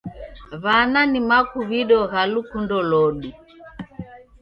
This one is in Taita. W'ana ni makuw'ido gha lukundo lodu.